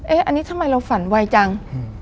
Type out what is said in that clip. อันนี้ทำไมเราฝันไวจัง